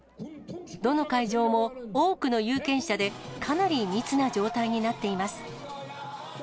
どの会場も、多くの有権者で、かなり密な状態になっています。